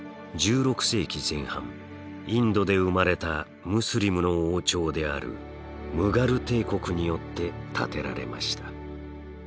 １６世紀前半インドで生まれたムスリムの王朝であるムガル帝国によって建てられました。